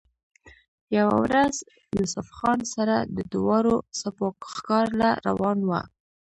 يوه ورځ يوسف خان سره د دواړو سپو ښکار له روان وۀ